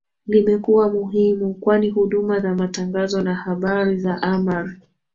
Limekuwa muhimu kwani huduma za matangazo na habari za amari